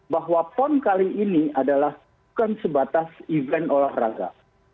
bahwa pon kali ini adalah bukan sebatas event olahraga